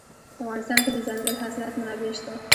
په افغانستان کې د دځنګل حاصلات منابع شته.